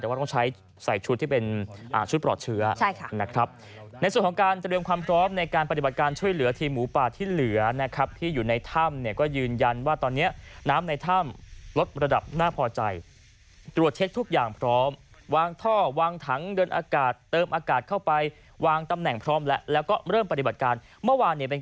แต่ว่าต้องใช้ใส่ชุดที่เป็นชุดปลอดเงิน